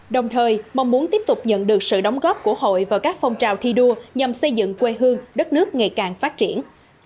đồng thời mong muốn tiếp tục nhận được sự đóng góp của hội vào các phong trào thi đua nhằm xây dựng quê hương đất nước ngày càng phát triển